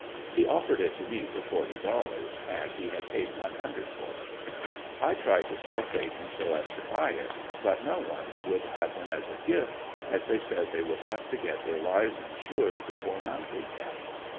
He offered it to me for forty dollars and he had paid one hundred for it. I tried to sell Satan so as to buy it, but no one would have him as a gift, as they said they would have to get their lives insured before mounting him.